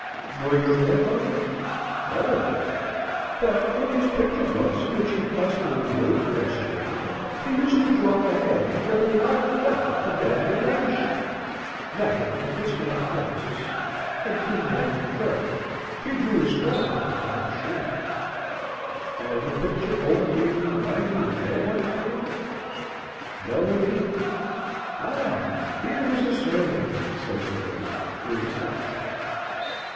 "Nor your grandfather?" "Never. But in his picture books, which he constantly made for us children, he used to draw a head very like that above your ladyship. That, and Viscount Francis, and King James III., he drew a score of times, I am sure." "And the picture over me reminds you of no one, Harry?" "No, indeed." "Ah! Here is a sermon!" says the lady, with a sigh.